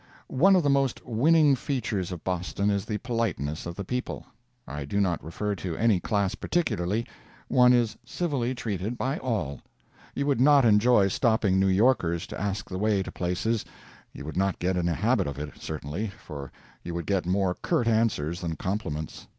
One of the most winning features of Boston is the politeness of the people. I do not refer to any class particularly. One is civilly treated by all. You would not enjoy stopping New Yorkers to ask the way to places—you would not get in a habit of it, certainly, for you would get more curt answers than compliments.